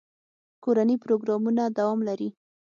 کورني پروګرامونه دوام لري.